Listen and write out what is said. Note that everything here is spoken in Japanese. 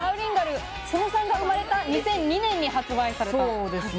バウリンガル、曽野さんが生まれた２００２年に発売された。